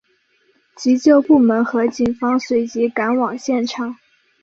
急救部门和警方随即赶往现场。